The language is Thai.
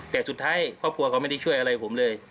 แต่สุดท้ายครอบครัวเขาไม่ได้ช่วยอะไรผมเลย